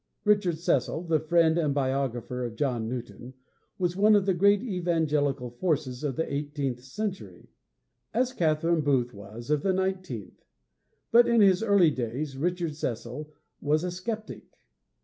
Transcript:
Richard Cecil the friend and biographer of John Newton was one of the great evangelical forces of the eighteenth century, as Catherine Booth was of the nineteenth. But, in his early days, Richard Cecil was a skeptic.